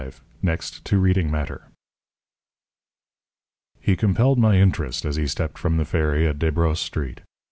V "NEXT TO READING MATTER" He compelled my interest as he stepped from the ferry at Desbrosses Street.